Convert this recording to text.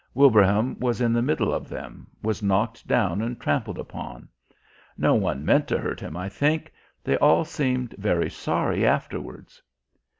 Wilbraham was in the middle of them, was knocked down and trampled upon. No one meant to hurt him, I think. They all seemed very sorry afterwards....